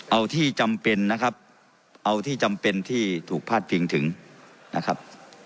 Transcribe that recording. เอาที่จำเป็นนะครับเอาที่จำเป็นที่ถูกพาดพิงถึงนะครับ